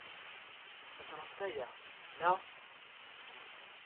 Tnekṛemt aya, naɣ?